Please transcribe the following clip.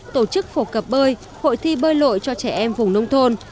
tổ chức phổ cập bơi hội thi bơi lội cho trẻ em vùng nông thôn